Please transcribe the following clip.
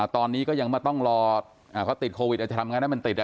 ตอนนี้ก็ยังมาต้องรอเขาติดโควิดอาจจะทำไงได้มันติด